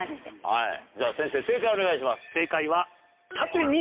じゃあ先生正解をお願いします。